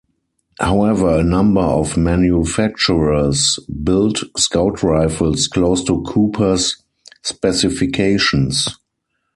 However, a number of manufacturers build scout rifles close to Cooper's specifications.